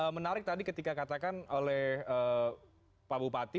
menarik tadi ketika katakan oleh pak bupati